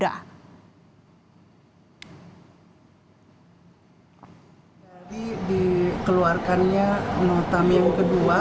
dari dikeluarkannya notam yang kemudian